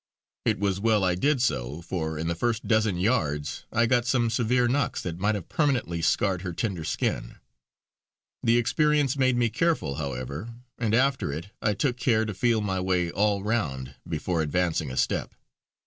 It was well I did so, for in the first dozen yards I got some severe knocks that might have permanently scarred her tender skin. The experience made me careful, however, and after it I took care to feel my way all round before advancing a step.